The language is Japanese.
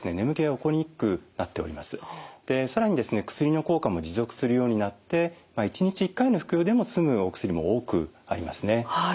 薬の効果も持続するようになって１日１回の服用でも済むお薬も多くありますね。